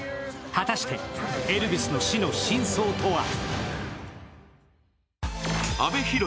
果たしてエルヴィスの死の真相とは？